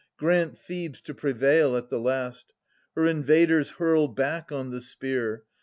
Grant Thebes to prevail at the last. Her invaders hurl back on the spear.